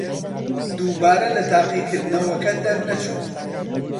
دووبارە لە تاقیکردنەوەکە دەرنەچوو.